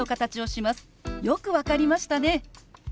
「よく分かりましたね！」。